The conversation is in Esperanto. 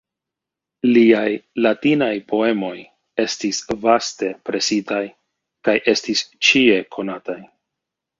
Liaj latinaj poemoj estis vaste presitaj kaj estis ĉie konataj.